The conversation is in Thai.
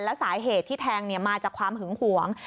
และสาเหตุที่แทงมาจากความหึงหวง